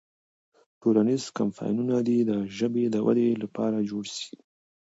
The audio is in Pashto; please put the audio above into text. ټولنیز کمپاینونه دې د ژبې د ودې لپاره جوړ سي.